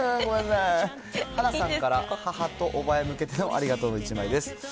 はなさんから、母と叔母へ向けてのありがとうの１枚です。